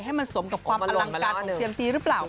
ให้มันสมกับความอลังการของเซียมซีหรือเปล่า